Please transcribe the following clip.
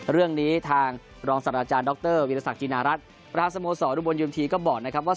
เรื่องนี้ทางรองศาลอาจารย์ดรวิทยาศักดิ์จินารัฐราศโมสรรุบรยุมฐีก็บอกนะครับว่า